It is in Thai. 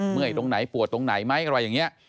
เมื่อยตรงไหนปวดตรงไหนไหมอะไรอย่างนี้